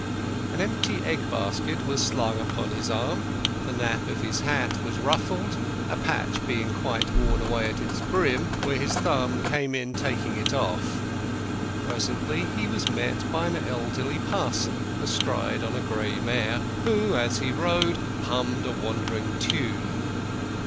An empty egg basket was slung upon his arm, the nap of his hat was ruffled, a patch being quite worn away at its brim where his thumb came in taking it off. Presently he was met by an elderly parson astride on a gray mare, who, as he rode, hummed a wandering tune.